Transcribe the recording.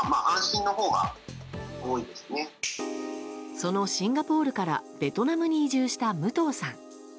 そのシンガポールからベトナムに移動した武藤さん。